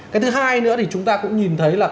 cái thứ hai nữa thì chúng ta cũng nhìn thấy là